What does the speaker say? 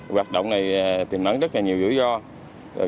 hoạt động này tìm mất rất nhiều rủi ro